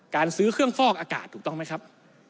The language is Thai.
การซื้อเครื่องฟอกอากาศถูกต้องไหมครับ